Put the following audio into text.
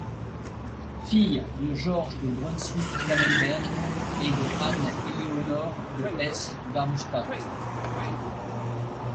Fille de Georges de Brunswick-Calenberg et de Anne-Éléonore de Hesse-Darmstadt.